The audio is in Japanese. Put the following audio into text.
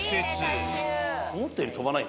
思ったより飛ばない。